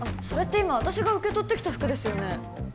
それって今私が受け取ってきた服ですよね